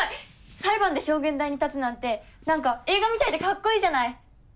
裁判で証言台に立つなんて何か映画みたいでかっこいいじゃない！